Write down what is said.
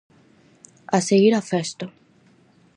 A seguir a festa!